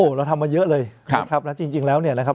เราทำมาเยอะเลยนะครับแล้วจริงแล้วเนี่ยนะครับ